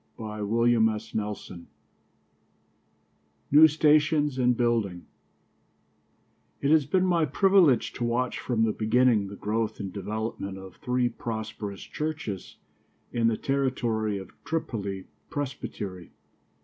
CHAPTER VI NEW STATIONS AND BUILDINGS It has been my privilege to watch from the beginning the growth and development of three prosperous churches in the territory of Tripoli Presbytery.